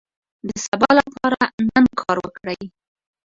د سبا لپاره نن کار وکړئ.